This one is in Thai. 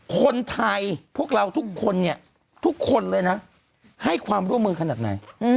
คนไทยพวกเราทุกคนเนี่ยทุกคนเลยนะให้ความร่วมมือขนาดไหน